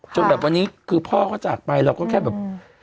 จนแบบวันนี้คือพ่อเขาจากไปเราก็แค่แบบ